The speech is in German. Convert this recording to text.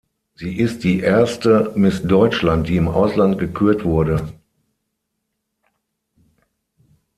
Sie ist die erste "Miss Deutschland", die im Ausland gekürt wurde.